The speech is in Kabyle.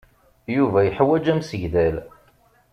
Yuba yeḥwaǧ amsegdal.